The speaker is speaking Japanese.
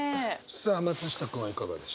さあ松下君はいかがでしょう？